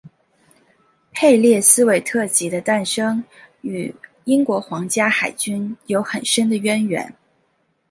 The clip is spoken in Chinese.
佩列斯韦特级的诞生与英国皇家海军的有很深的渊源。